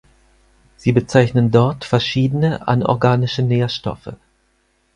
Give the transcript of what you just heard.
Sie bezeichnen dort verschiedene anorganische Nährstoffe.